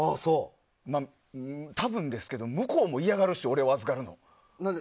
まあ、多分ですけど向こうも嫌がるし俺を預かるって。